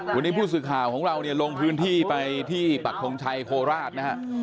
วันนี้ผู้สื่อข่าวของเราเนี่ยลงพื้นที่ไปที่ปักทงชัยโคราชนะฮะ